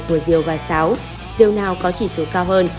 của diều và xáo diều nào có chỉ số cao hơn